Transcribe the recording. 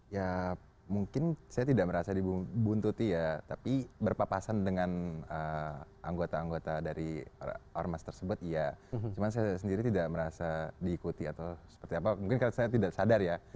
ya mungkin saya tidak merasa dibuntuti ya tapi berpapasan dengan anggota anggota dari ormas tersebut iya cuma saya sendiri tidak merasa diikuti atau seperti apa mungkin karena saya tidak sadar ya